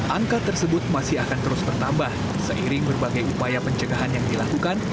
angka tersebut masih akan terus bertambah seiring berbagai upaya pencegahan yang dilakukan